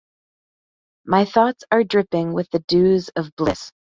My thoughts are dripping with the dews of bliss.